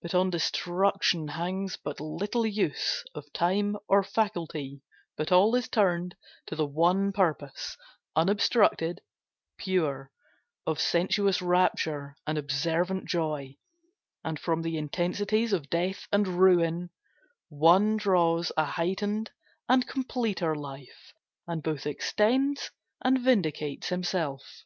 But on destruction hangs but little use Of time or faculty, but all is turned To the one purpose, unobstructed, pure, Of sensuous rapture and observant joy; And from the intensities of death and ruin, One draws a heightened and completer life, And both extends and vindicates himself.